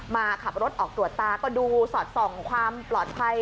มาขับรถออกตรวจตาก็ดูสอดส่องความปลอดภัย